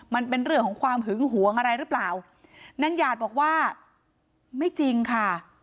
มันเป็นเรื่องของความหึงหวงอะไรหรือเปล่านางหยาดบอกว่าไม่จริงค่ะ